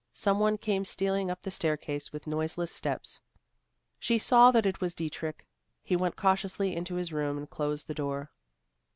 Some one came stealing up the staircase with noiseless steps. She saw that it was Dietrich. He went cautiously into his room and closed his door.